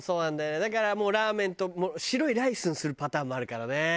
だからラーメンと白いライスにするパターンもあるからね。